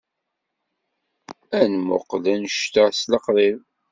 Ad nmuqqel annect-a s leqrib.